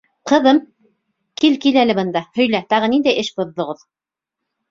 — Ҡыҙым, кил-кил әле бында, һөйлә, тағы ниндәй эш боҙҙоғоҙ?